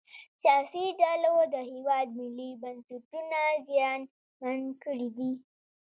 سیاسي ډلو د هیواد ملي بنسټونه زیانمن کړي دي